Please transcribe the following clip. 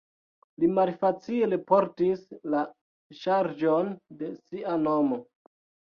Li malfacile portis la ŝarĝon de sia nomo.